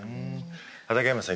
畠山さん